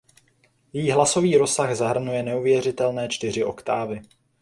Její hlasový rozsah zahrnuje neuvěřitelné čtyři oktávy.